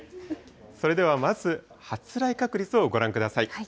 それではまず発雷確率をご覧ください。